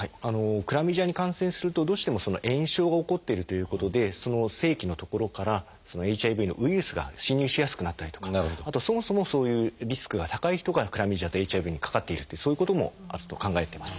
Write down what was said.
クラミジアに感染するとどうしても炎症が起こってるということで性器の所からＨＩＶのウイルスが侵入しやすくなったりとかあとそもそもそういうリスクが高い人がクラミジアとＨＩＶにかかっているってそういうことも考えています。